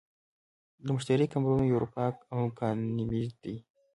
د مشتری قمرونه یوروپا او ګانیمید دي.